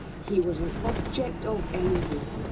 he was an object of envy